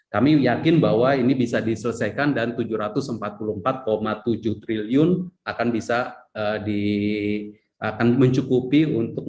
kami yakin bahwa ini bisa diselesaikan dan tujuh ratus empat puluh empat tujuh triliun akan bisa di akan mencukupi untuk